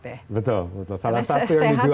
betul salah satu yang dijual itu